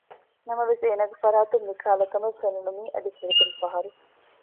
ނަމަވެސް އޭނަގެ ފަރާތުން މިކަހަލަ ކަމެއް ފެނުނު މީ އަދި ފުރަތަމަ ފަހަރު